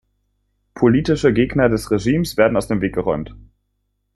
Politische Gegner des Regimes werden aus dem Weg geräumt.